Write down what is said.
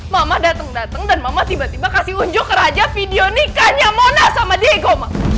mama datang datang dan mama tiba tiba kasih unjuk ke raja video nikahnya mona sama diego